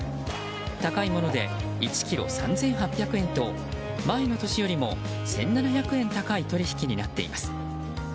高いもので１ｋｇ３８００円と前の年よりも１７００円高い取り引きになっています。